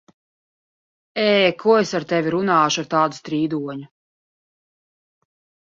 Ē! Ko es ar tevi runāšu, ar tādu strīdoņu?